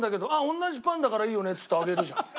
同じパンだからいいよねっつってあげるじゃん。